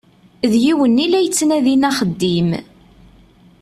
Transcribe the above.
D yiwen i la yettnadin axeddim.